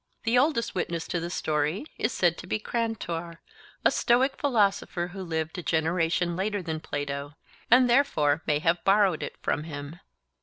The oldest witness to the story is said to be Crantor, a Stoic philosopher who lived a generation later than Plato, and therefore may have borrowed it from him.